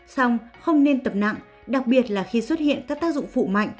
xong không nên tập nặng đặc biệt là khi xuất hiện các tác dụng phụ mạnh